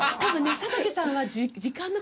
佐竹さん